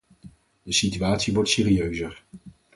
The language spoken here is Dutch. De situatie wordt serieuzer.